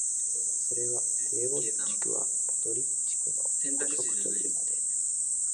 それは「ペレヴォッチクはポドリャッチクの誤植」というので、